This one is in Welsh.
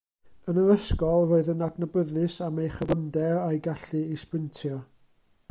Yn yr ysgol, roedd yn adnabyddus am ei chyflymder a'i gallu i sbrintio.